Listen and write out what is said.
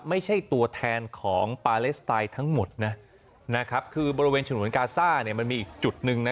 ไม่ใช่ตัวแทนของปาเลสไตน์ทั้งหมดนะคือบริเวณฉนวนกาซ่าเนี่ยมันมีอีกจุดหนึ่งนะ